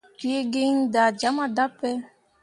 Piigi iŋ da jama dape.